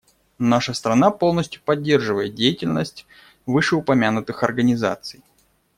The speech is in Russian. Наша страна полностью поддерживает деятельность вышеупомянутых организаций.